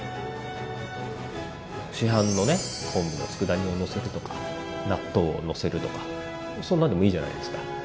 市販のね昆布のつくだ煮をのせるとか納豆をのせるとかそんなんでもいいじゃないですか。